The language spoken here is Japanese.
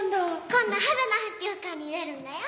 今度春の発表会に出るんだよ。